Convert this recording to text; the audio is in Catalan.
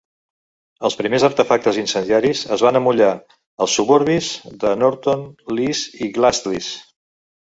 Els primers artefactes incendiaris es van amollar als suburbis de Norton Lees i Gleadless.